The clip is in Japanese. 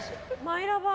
マイラバ。